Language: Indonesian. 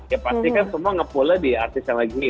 ya pasti kan semua nge pull nya di artis yang lagi hit